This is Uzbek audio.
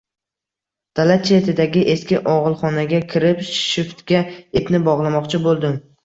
Dala chetidagi eski og`ilxonaga kirib, shiftga ipni bog`lamoqchi bo`ldim